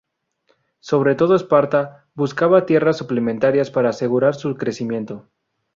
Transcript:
Sobre todo Esparta, buscaba tierras suplementarias para asegurar su crecimiento.